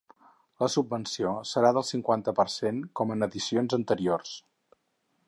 La subvenció serà del cinquanta per cent com en edicions anteriors.